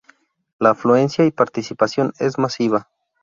La afluencia y participación es masiva.